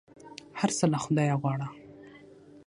هر څه له خدایه غواړه !